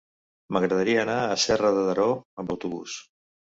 M'agradaria anar a Serra de Daró amb autobús.